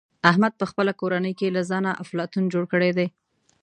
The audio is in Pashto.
احمد په خپله کورنۍ کې له ځانه افلاطون جوړ کړی دی.